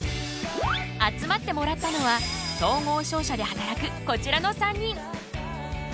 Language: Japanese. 集まってもらったのは総合商社で働くこちらの３人。